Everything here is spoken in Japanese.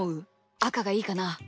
あかがいいかな？